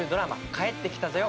『帰ってきたぞよ！